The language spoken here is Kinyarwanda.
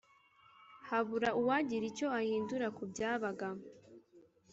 habura uwagira icyo ahindura ku byabaga